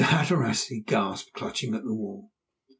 Hatteras!" he gasped, clutching at the wall.